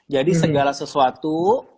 jadi segala sesuatu